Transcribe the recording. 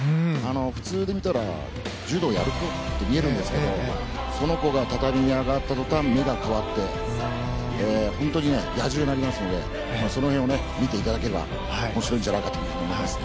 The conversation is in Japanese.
普通で見たら柔道やる子？って見えるんですがその子が畳に上がったとたん目が変わって本当に野獣になりますのでその辺を見ていただければ面白いんじゃないかと思いますね。